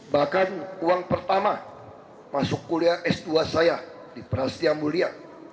bahkan uang pertama masuk kuliah s dua saya di prasetya mulia